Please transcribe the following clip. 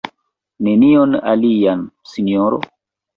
Nenion alian, sinjoro?